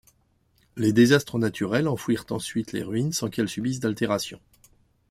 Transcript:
Les désastres naturels enfouirent ensuite les ruines sans qu’elles subissent d'altération.